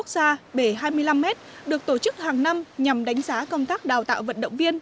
giải bơi lặn vô địch quốc gia bể hai mươi năm m được tổ chức hàng năm nhằm đánh giá công tác đào tạo vận động viên